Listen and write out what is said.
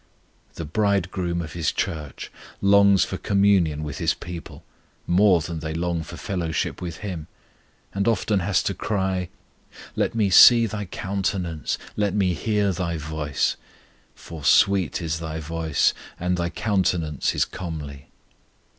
The Bridegroom of His Church longs for communion with His people more than they long for fellowship with Him, and often has to cry: Let Me see thy countenance, let Me hear thy voice; For sweet is thy voice, and thy countenance is comely.